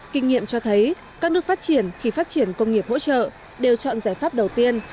kinh nghiệm cho thấy các nước phát triển khi phát triển công nghiệp hỗ trợ đều chọn giải pháp đầu tiên